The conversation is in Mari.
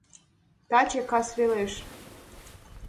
Таче кас велеш.